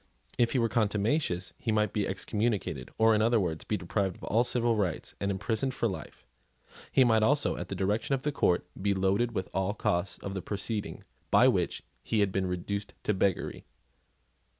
If he were contumacious, he might be excommunicated, or, in other words, be deprived of all civil rights and imprisoned for life. He might also, at the discretion of the court, be loaded with all the costs of the proceeding by which he had been reduced to beggary.